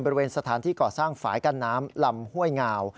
บริเวณสถานที่ก่อสร้างฝ่ายกั้นน้ำลำห้วยงาว